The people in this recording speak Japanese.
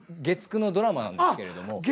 月９のドラマなんですけれども。